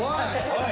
おい！